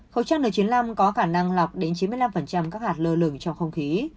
khẩu trang n chín mươi năm có khả năng lọc đến chín mươi năm các hạt lơ lửng trong không khí